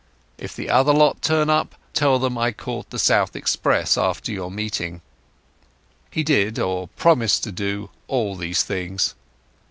If the other lot turn up, tell them I caught the south express after your meeting." He did, or promised to do, all these things.